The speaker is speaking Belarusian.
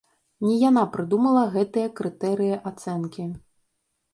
Не яна прыдумала гэтыя крытэрыі ацэнкі.